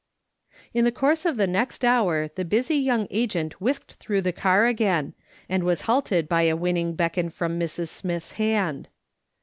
In the course of the next hour the busy young agent whisked through the car again, and was halted by a winning beckon from Mrs. Smith's hand.